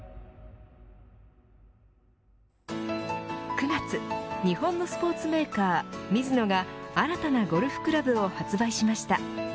９月、日本のスポーツメーカーミズノが新たなゴルフクラブを発売しました。